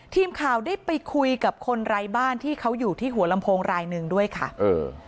ทีมข่าวได้ไปคุยกับคนไร้บ้านที่เขาอยู่ที่หัวลำโพงรายหนึ่งด้วยค่ะเออ